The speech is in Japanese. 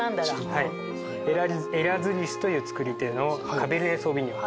エラスリスという作り手のカベルネ・ソーヴィニョン。